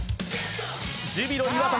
ジュビロ磐田